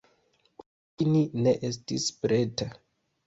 Fotini ne estis preta.